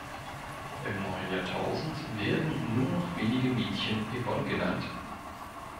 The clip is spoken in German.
Im neuen Jahrtausend werden nur noch wenige Mädchen Yvonne genannt.